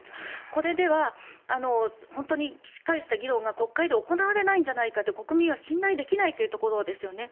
これでは本当に大した議論が国会で行われないんじゃないかと国民は信頼できないというところですよね。